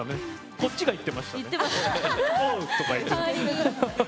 こっちが言ってました。